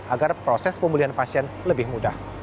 agar proses pemulihan pasien lebih mudah